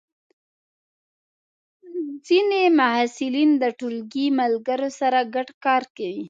ځینې محصلین د ټولګی ملګرو سره ګډ کار کوي.